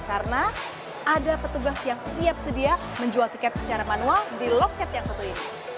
karena ada petugas yang siap sedia menjual tiket secara manual di loket yang satu ini